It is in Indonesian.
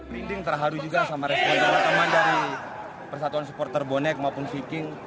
dinding terharu juga sama respon teman teman dari persatuan supporter bonek maupun viking